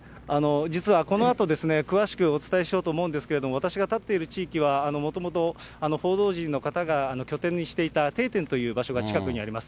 実はこのあと、詳しくお伝えしようと思うんですけれども、私が立っている地域は、もともと報道陣の方が拠点にしていた定点という場所が近くにあります。